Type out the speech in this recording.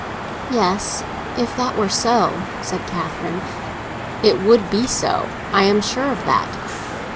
"Yes, if that were so," said Catherine. "It would be so; I am sure of that."